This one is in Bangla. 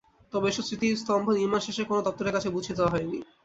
তবে এসব স্মৃতিস্তম্ভ নির্মাণ শেষে কোনো দপ্তরের কাছে বুঝিয়ে দেওয়া হয়নি।